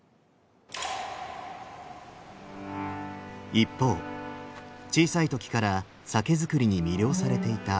一方小さい時から酒造りに魅了されていた姉の綾。